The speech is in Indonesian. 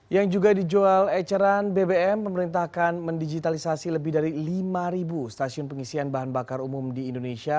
yang juga dijual eceran bbm pemerintah akan mendigitalisasi lebih dari lima stasiun pengisian bahan bakar umum di indonesia